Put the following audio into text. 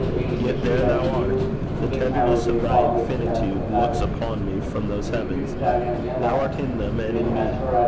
Yet there thou art. The tenderness of thy infinitude looks upon me from those heavens. Thou art in them and in me.